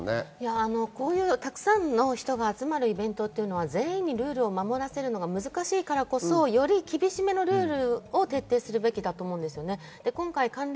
こういうたくさんの人が集まるイベントは全員にルールを守らせることができないからこそより厳しめのルールを徹底するべきだと思うんです。